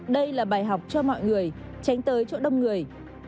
đây là bài học cho mọi người tránh tới chỗ đông người